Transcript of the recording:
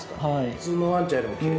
普通のワンちゃんよりも奇麗？